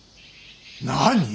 何。